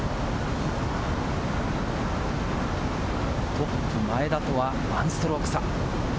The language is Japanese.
トップ・前田とは１ストローク差。